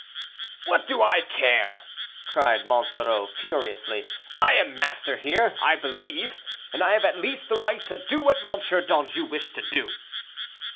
"What do I care?" cried Monsoreau, furiously. "I am master here, I believe, and I have at least the right to do what M. d'Anjou wished to do."